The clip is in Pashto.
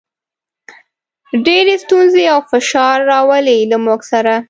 ډېرې ستونزې او فشار راولي، له موږ سره.